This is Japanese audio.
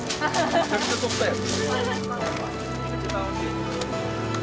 めちゃくちゃ取ったやん。